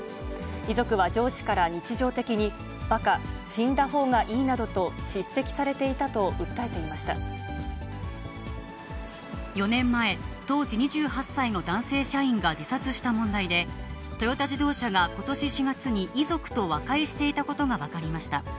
遺族は上司から日常的に、ばか、死んだほうがいいなどと、叱責さ４年前、当時２８歳の男性社員が自殺した問題で、トヨタ自動車がことし４月に遺族と和解していたことが分かりました。